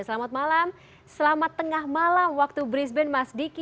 selamat malam selamat tengah malam waktu brisbane mas diki